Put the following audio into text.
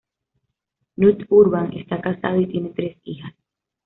Knut Urban está casado y tiene tres hijas.